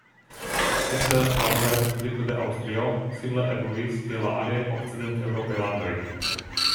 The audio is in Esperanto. Sekve la nova respubliko de Aŭstrio simile evoluis kiel la aliaj okcidenteŭropaj landoj.